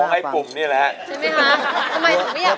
มองไอ้ปุ่มนี่แหละ